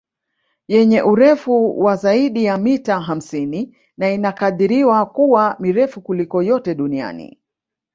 Yenye urefu wa zaidi ya mita hamsini na inakadiriwa kuwa mirefu kuliko yote duniani